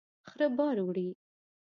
خره بار وړي